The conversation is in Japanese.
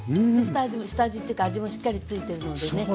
下味というか味もしっかりついてるのでね。